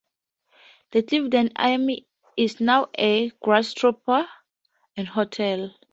The Clifden Arms is now a gastropub and hotel.